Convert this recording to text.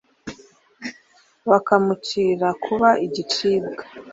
bakamucira kuba igicibwa